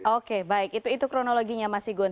oke baik itu kronologinya mas igun